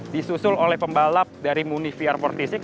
disusul oleh pembalap dari muni vr fortisic